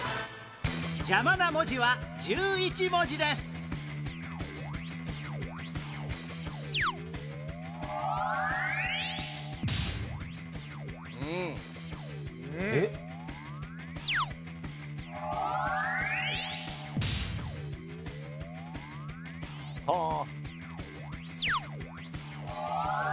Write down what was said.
邪魔な文字は１１文字ですえっ？はあ。